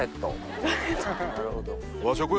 なるほど。